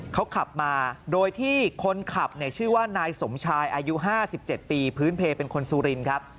เขาขับมาโดยที่คนขับเนี่ยชื่อว่านายสมชายอายุ๕๗ปีพื้นเพลเป็นคนสุรินครับ